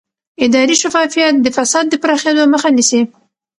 اداري شفافیت د فساد د پراخېدو مخه نیسي